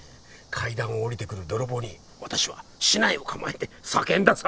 階段を下りてくる泥棒に私は竹刀を構えて叫んださ。